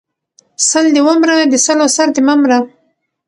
سل دې ومره د سلو سر دې مه مره!